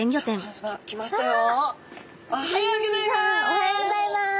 おはようギョざいます！